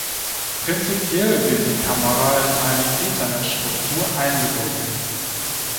Prinzipiell wird die Kamera in eine Ethernet-Struktur eingebunden.